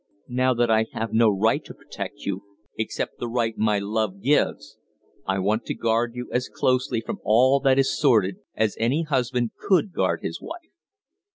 "Now that I have no right to protect you except the right my love gives I want to guard you as closely from all that is sordid as any husband could guard his wife.